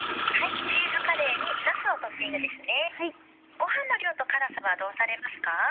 ごはんの量と辛さはどうされますか？